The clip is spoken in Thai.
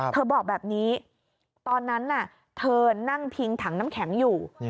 บอกแบบนี้ตอนนั้นเธอนั่งพิงถังน้ำแข็งอยู่